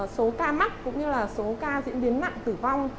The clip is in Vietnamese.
số ca mắc cũng như là số ca diễn biến nặng tử vong